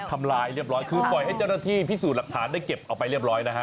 ทำลายเรียบร้อยคือปล่อยให้เจ้าหน้าที่พิสูจน์หลักฐานได้เก็บเอาไปเรียบร้อยนะฮะ